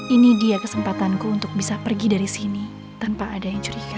ini dia kesempatanku untuk bisa pergi dari sini tanpa ada yang curiga